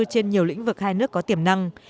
trên nhiều lĩnh vực hai nước có tiềm năng